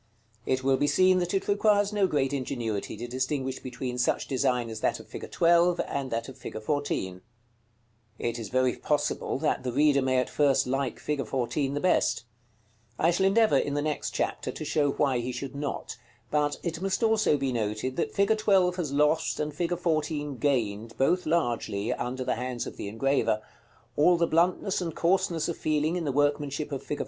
It will be seen that it requires no great ingenuity to distinguish between such design as that of fig. 12 and that of fig. 14. [Illustration: Plate XX. LEAFAGE OF THE VENETIAN CAPITALS.] § CXXXI. It is very possible that the reader may at first like fig. 14 the best. I shall endeavor, in the next chapter, to show why he should not; but it must also be noted, that fig. 12 has lost, and fig. 14 gained, both largely, under the hands of the engraver. All the bluntness and coarseness of feeling in the workmanship of fig.